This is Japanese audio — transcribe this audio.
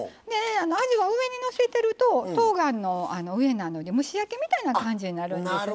あじは、上にのせてるととうがんの上なので蒸し焼きみたいになるんですよね。